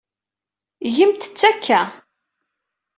Gemt-t akka.